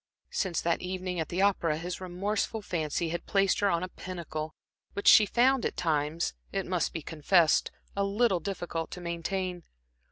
Since that evening at the opera, his remorseful fancy had placed her on a pinnacle, which she found at times, it must be confessed, a little difficult to maintain.